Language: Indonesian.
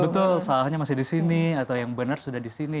betul salahnya masih disini atau yang benar sudah disini